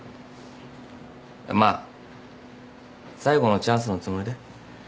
まあ最後のチャンスのつもりで行ってくらあ。